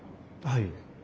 はい。